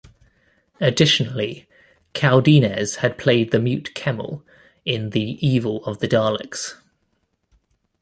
Additionally, Caldinez had played the mute Kemel in "The Evil of the Daleks".